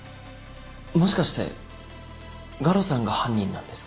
もしかして我路さんが犯人なんですか？